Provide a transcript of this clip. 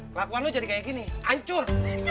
kelakuan lu jadi kayak gini ancur